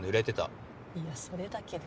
いやそれだけで。